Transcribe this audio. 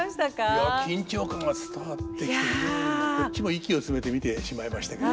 いや緊張感が伝わってきて非常にこっちも息を詰めて見てしまいましたけど。